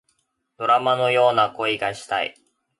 ドラマのような恋がしたい